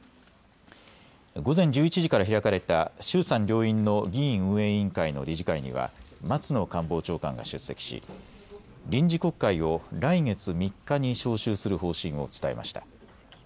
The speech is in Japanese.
午前１１時から開かれた衆参両院の議院運営委員会の理事会には松野官房長官が出席し臨時国会を来月３日に召集する方針を伝えました。